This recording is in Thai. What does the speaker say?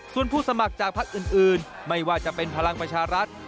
ส่วนผู้สมัครจากพักอื่นไม่ว่าจะเป็นพลังประชารัฐ